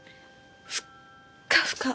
ふっかふか！